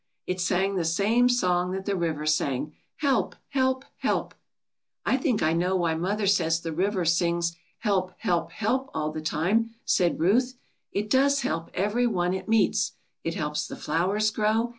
It sang the same song that the river sang, ^^Help! help! help!^^ ^^I think I know why mother says the river sings ^Help! help! help! all the timeV^ said Ruth. "It does help every one it meets. It helps the flowers grow.